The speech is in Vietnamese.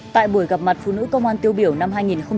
tại buổi gặp mặt phụ nữ công an tiêu biểu năm hai nghìn một mươi bảy